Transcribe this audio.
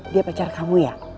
dia pacar kamu ya